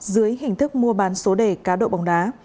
dưới hình thức mua bán số đề cá độ bóng đá